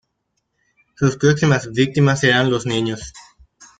Sus próximas víctimas serán los niños.